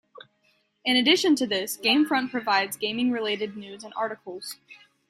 In addition to this, GameFront provides gaming-related news and articles.